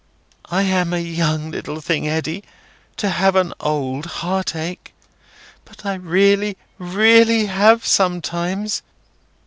I am a young little thing, Eddy, to have an old heartache; but I really, really have, sometimes.